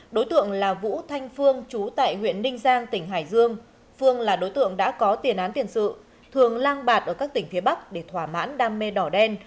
đối tượng là vũ thanh phương chú tại huyện ninh giang tỉnh hải dương phương là đối tượng đã có tiền án tiền sự thường lang bạc ở các tỉnh phía bắc để thỏa mãn đam mê đỏ đen